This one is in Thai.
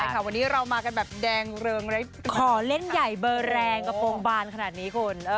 วันนี้เรามากันแบบแดงเริงขอเล่นใหญ่เบอร์แรงกระโปรงบานขนาดนี้คุณ